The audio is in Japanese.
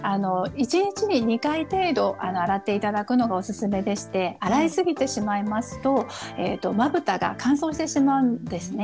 １日に２回程度、洗っていただくのがお勧めでして、洗い過ぎてしまいますと、まぶたが乾燥してしまうんですね。